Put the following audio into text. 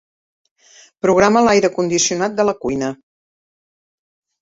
Programa l'aire condicionat de la cuina.